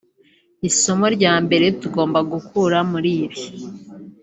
“Isomo rya mbere tugomba gukura muri ibi